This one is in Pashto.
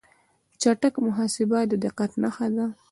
چټک محاسبه د دقت نښه ده.